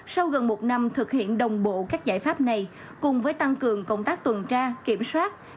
sau gần một năm thực hiện đồng bộ các giải pháp này cùng với tăng cường công tác tuần tra kiểm soát